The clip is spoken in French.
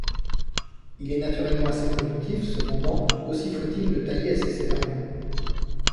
Il est naturellement assez productif, cependant, aussi faut-il le tailler assez sévèrement.